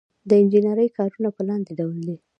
د انجنیری کارونه په لاندې ډول دي.